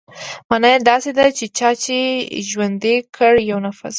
مانا يې داسې ده چې چا چې ژوندى کړ يو نفس.